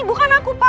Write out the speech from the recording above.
bukan aku pak